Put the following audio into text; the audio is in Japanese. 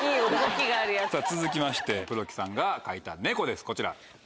続きまして黒木さんが描いた猫ですこちら。